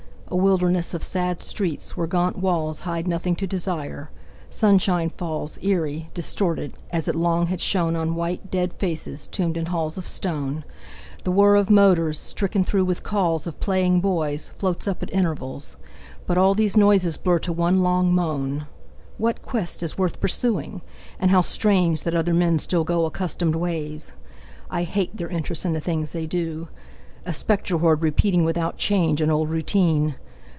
A wilderness of sad streets, where gaunt walls Hide nothing to desire; sunshine falls Eery, distorted, as it long had shone On white, dead faces tombed in halls of stone. The whir of motors, stricken through with calls Of playing boys, floats up at intervals; But all these noises blur to one long moan. What quest is worth pursuing? And how strange That other men still go accustomed ways! I hate their interest in the things they do. A spectre horde repeating without change An old routine.